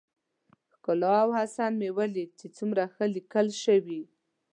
ښکلا او حسن مې وليد چې څومره ښه ليکل شوي.